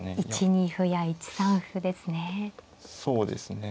１二歩や１三歩ですね。